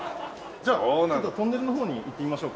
じゃあちょっとトンネルの方に行ってみましょうか。